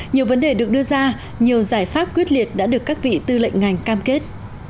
nhiều vấn đề được đưa ra nhiều giải pháp quyết liệt đã được các vị tư lệnh ngành cam kết